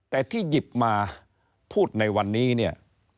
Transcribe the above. แต่ที่หยิบมาพูดในวันนี้